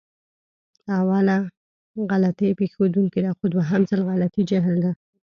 اوله غلطي پېښدونکې ده، خو دوهم ځل غلطي جهل دی.